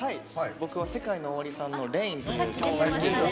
僕はＳＥＫＡＩＮＯＯＷＡＲＩさんの「ＲＡＩＮ」。